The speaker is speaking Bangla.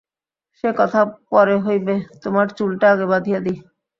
সে কথা পরে হইবে, তোমার চুলটা আগে বাঁধিয়া দিই।